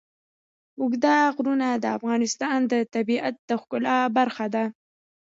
اوږده غرونه د افغانستان د طبیعت د ښکلا برخه ده.